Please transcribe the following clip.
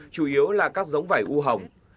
chủ yếu là các giống vải u hồng